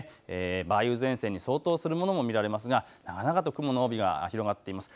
梅雨前線に相当するものも見られますが長々と雲の帯が広がっています。